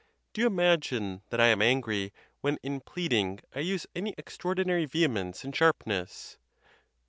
Do you imagine that I am angry when in pleading I use any extraordinary ve hemence and sharpness?